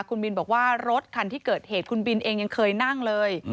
คุณบินบอกว่ารถคันที่เกิดเหตุคุณบินเองยังเคยนั่งเลย